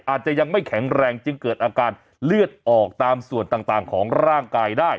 อาจจะยังไม่แข็งแรงจึงเกิดอาการเลือดออกตามส่วนต่างของร่างกายได้